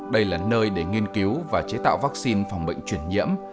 đây là nơi để nghiên cứu và chế tạo vaccine phòng bệnh chuyển nhiễm